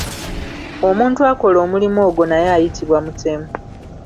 Omuntu akola omulimu ogwo naye ayitibwa mutemu.